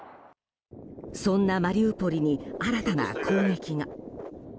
そんなマリウポリに新たな攻撃が。